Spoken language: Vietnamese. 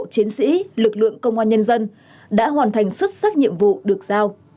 chiến sĩ lực lượng công an nhân dân đã hoàn thành xuất sắc nhiệm vụ được giao